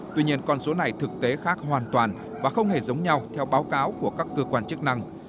tuy nhiên con số này thực tế khác hoàn toàn và không hề giống nhau theo báo cáo của các cơ quan chức năng